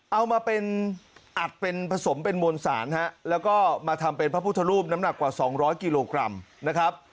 เอามาเป็นอัดเป็นผสมเป็นมวลสารฮะแล้วก็มาทำเป็นพระพุทธรูปน้ำหนักกว่า๒๐๐กิโลกรัมนะครับ